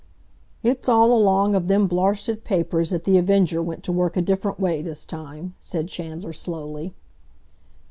"It's all along of them blarsted papers that The Avenger went to work a different way this time," said Chandler slowly.